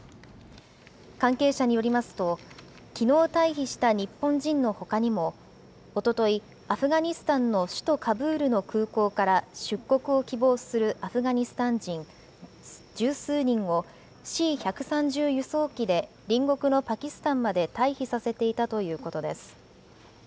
関係者によりますと、きのう退避した日本人のほかにも、おととい、アフガニスタンの首都カブールの空港から出国を希望するアフガニスタン人十数人をＣ１３０輸送機で隣国のパキスタンまで退避させていたということです。